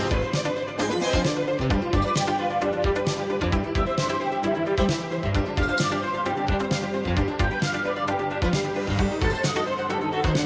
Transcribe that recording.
hẹn gặp lại